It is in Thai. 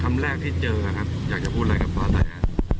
คำแรกที่เจอครับอยากจะพูดอะไรกับป้าตายครับ